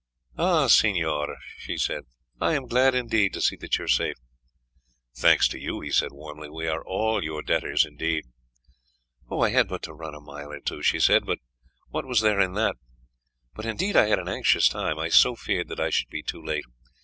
"Ah, signor," she said, "I am glad indeed to see that you are safe." "Thanks to you," he said warmly; "we are all your debtors indeed." "I had but to run a mile or two," she said; "but what was there in that? But indeed I had an anxious time, I so feared that I should be too late.